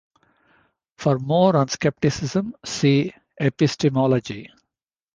For more on skepticism, see Epistemology.